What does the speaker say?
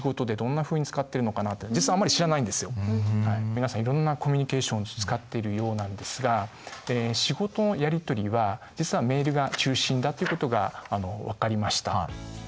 皆さんいろんなコミュニケーション使っているようなんですが仕事のやりとりは実はメールが中心だっていうことが分かりました。